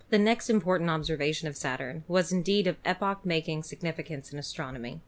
The next important observation of Saturn was indeed of epoch making significance in astron omy.